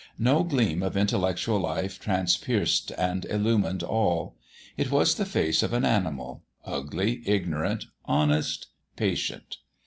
No gleam of intellectual life transpierced and illumined all. It was the face of an animal ugly, ignorant, honest, patient.